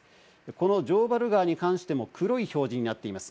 この城原川に関しても黒い表示になっています。